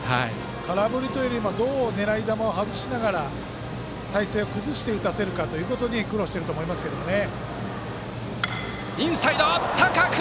空振りというよりどう狙い球を外しながら体勢を崩して打たせるかというところに苦労してると思いますけどね。